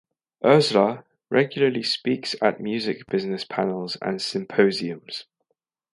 Esra regularly speaks at music business panels and symposiums.